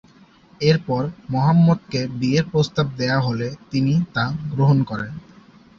এরপর মুহাম্মদকে বিয়ের প্রস্তাব দেয়া হলে তিনি তা গ্রহণ করেন।